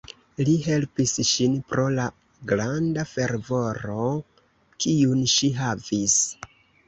Li helpis ŝin pro la granda fervoro kiun ŝi havis.